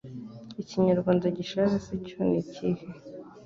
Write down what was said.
Ikinyarwanda gishaje se cyo ni ikihe